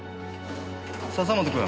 笹本君。